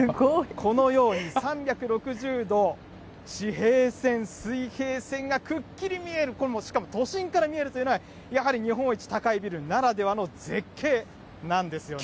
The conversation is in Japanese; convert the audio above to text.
このように３６０度地平線、水平線がくっきり見える、これもう、しかも都心から見えるというのは、やはり日本一高いビルならではの絶景なんですよね。